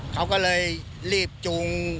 เขาก็เลยรีบจูง